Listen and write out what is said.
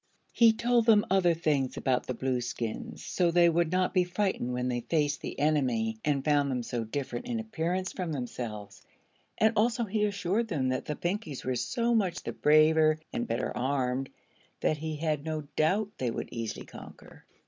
He told them other things about the Blueskins, so they would not be frightened when they faced the enemy and found them so different in appearance from themselves, and also he assured them that the Pinkies were so much the braver and better armed that he had no doubt they would easily conquer.